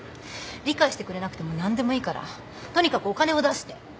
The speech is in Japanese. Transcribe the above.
理解してくれなくても何でもいいからとにかくお金を出して。